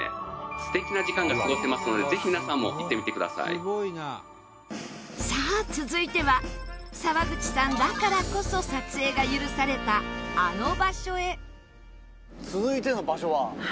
素敵な時間が過ごせますのでぜひ皆さんも行ってみてください」さあ続いては沢口さんだからこそ撮影が許されたあの場所へ。